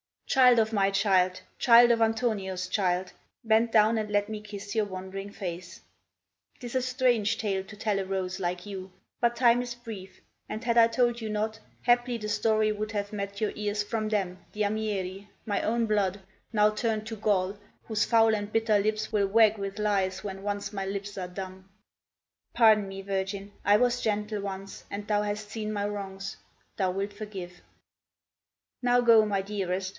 Child of my child, child of Antonio's child, Bend down and let me kiss your wondering face. 'Tis a strange tale to tell a rose like you. But time is brief, and, had I told you not, Haply the story would have met your ears From them, the Amieri, my own blood, Now turned to gall, whose foul and bitter lips Will wag with lies when once my lips are dumb. (Pardon me, Virgin. I was gentle once, And thou hast seen my wrongs. Thou wilt forgive.) Now go, my dearest.